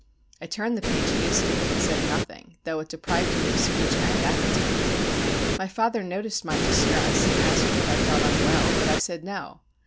I turned the page hastily, and said nothing, though it deprived me of speech and appetite. My father noticed my distress, and asked if I felt unwell, but I said "No."